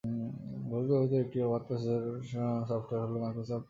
বহুল ব্যবহৃত একটি ওয়ার্ড প্রসেসর সফটওয়্যার হল মাইক্রোসফট ওয়ার্ড।